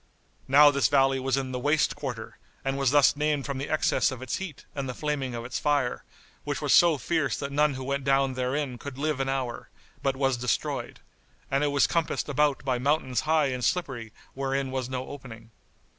Now this valley was in the "Waste Quarter[FN#71]" and was thus named from the excess of its heat and the flaming of its fire, which was so fierce that none who went down therein could live an hour, but was destroyed; and it was compassed about by mountains high and slippery wherein was no opening.